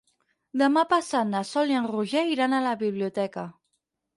Demà passat na Sol i en Roger iran a la biblioteca.